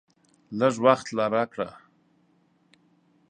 لږ وخت لا راکړه !